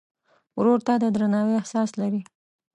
ورور ته د درناوي احساس لرې.